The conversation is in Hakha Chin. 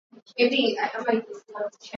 Ni kum ah hi rang hi ka rak cawk.